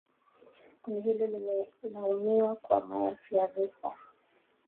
Kundi hilo limelaumiwa kwa maelfu ya vifo